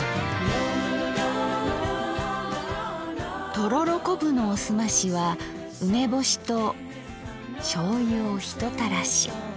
とろろこぶのおすましは梅干しと醤油をひとたらし。